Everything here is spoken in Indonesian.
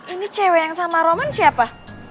ini cewek yang sama roman siapa